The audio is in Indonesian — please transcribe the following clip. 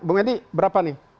bang edi berapa nih